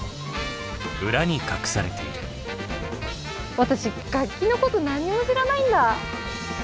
私楽器のこと何にも知らないんだ。